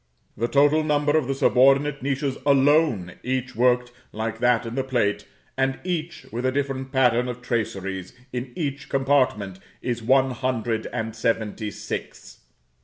The total number of the subordinate niches alone, each worked like that in the plate, and each with a different pattern of traceries in each compartment, is one hundred and seventy six.